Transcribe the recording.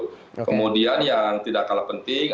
kemudian yang tidak kalah penting